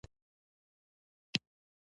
داسې خبرې هغه ته منسوبې کړم.